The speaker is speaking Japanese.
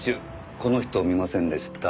この人を見ませんでした？